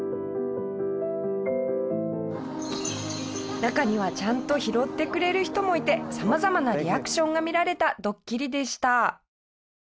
中にはちゃんと拾ってくれる人もいて様々なリアクションが見られたドッキリでした。